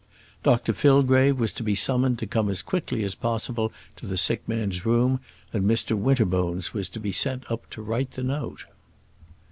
Dr Fillgrave was to be summoned to come as quickly as possible to the sick man's room, and Mr Winterbones was to be sent up to write the note.